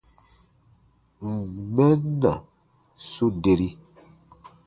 Ǹ n mɛn na, su deri.